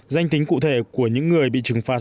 danh tính cụ thể của những người bị trừng phạt